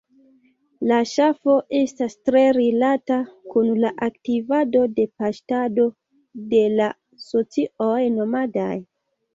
La ŝafo estas tre rilata kun la aktivado de paŝtado de la socioj nomadaj.